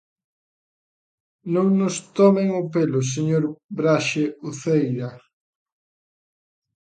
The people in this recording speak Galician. Non nos tomen o pelo, señor Braxe Uceira.